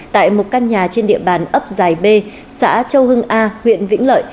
tại một căn nhà trên địa bàn ấp giải b xã châu hưng a huyện vĩnh lợi